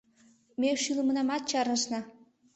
Ме шӱлымынамат чарнышна.